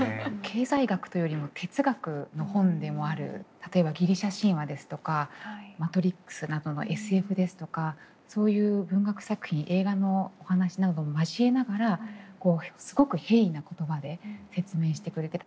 経済学というよりも哲学の本でもある例えばギリシャ神話ですとか「マトリックス」などのＳＦですとかそういう文学作品映画のお話なども交えながらすごく平易な言葉で説明してくれて。